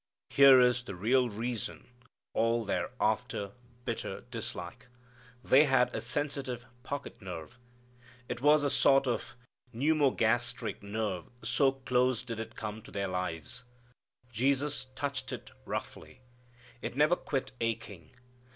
Here is the real reason of all their after bitter dislike. They had a sensitive pocket nerve. It was a sort of pneumogastric nerve so close did it come to their lives. Jesus touched it roughly. It never quit aching.